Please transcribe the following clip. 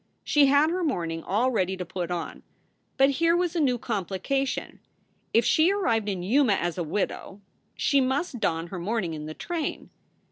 She had her mourning all ready to put on. But here was a new complication. If she arrived in Yuma as a widow she must don her mourn ing in the train.